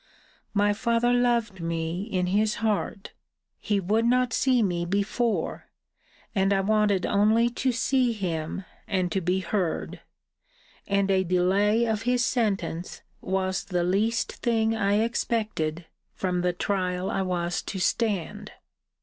My father loved me in his heart: he would not see me before; and I wanted only to see him, and to be heard; and a delay of his sentence was the least thing I expected from the trial I was to stand.